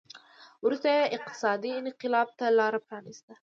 وروسته یې اقتصادي انقلاب ته لار پرانېسته.